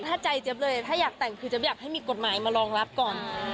ถ้าใจเจ๊บเลยถ้าอยากแต่งคือเจ๊บอยากให้มีกฎหมายมารองรับก่อน